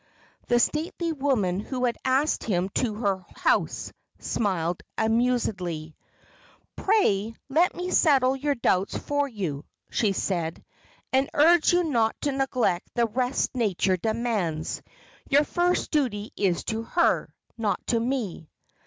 The stately woman who had asked him to her house, smiled amusedly: "Pray let me settle your doubts for you," she said, "and urge you not to neglect the rest nature demands. Your first duty is to her, not to me."